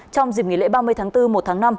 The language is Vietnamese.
trong dịp nghỉ lễ ba mươi tháng bốn một tháng năm